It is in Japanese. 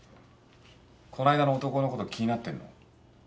この間の男のこと気になってんの？